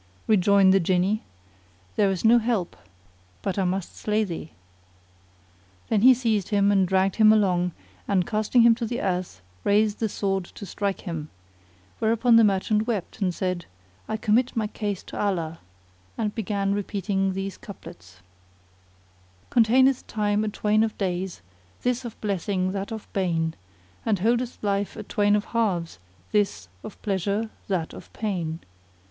Rejoined the Jinni, "There is no help but I must slay thee." Then he seized him and dragged him along and, casting him to the earth, raised the sword to strike him; whereupon the merchant wept, and said, "I commit my case to Allah," and began repeating these couplets:— Containeth Time a twain of days, this of blessing that of bane * And holdeth Life a twain of halves, this of pleasure that of pain.